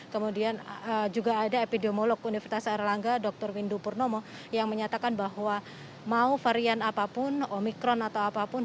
kemudian juga ada epidemiolog universitas erlangga dr windu purnomo yang menyatakan bahwa mau varian apapun omikron atau apapun